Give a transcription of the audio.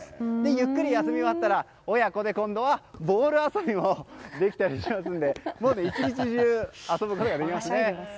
ゆっくり休み終わったら親子で今度はボール遊びもできたりしますので１日中遊ぶことができます。